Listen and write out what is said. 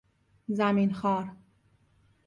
زمین خوار